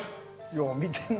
よう見てるな。